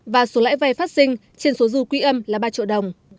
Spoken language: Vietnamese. và số lãi vay phát sinh trên số dư quỹ âm là ba triệu đồng